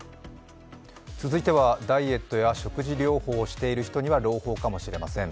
続いてはダイエットや食事療法をしている人には朗報かもしれません。